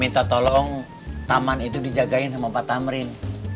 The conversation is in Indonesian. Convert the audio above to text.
minta tolong taman itu dijagain sama pak tamrin